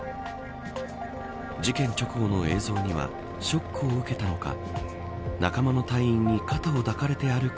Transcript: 事件直後の映像にはショックを受けたのか仲間の隊員に肩を抱かれて歩く